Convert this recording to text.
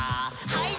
はい。